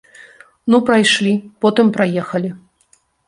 Ну прайшлі, потым праехалі.